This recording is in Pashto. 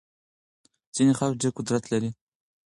ځينې خلګ ډېر قدرت لري.